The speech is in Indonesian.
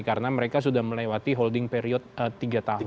karena mereka sudah melewati holding period tiga tahun